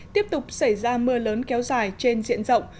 tiếp tục xảy ra mưa lớn kéo dài trên diện rộng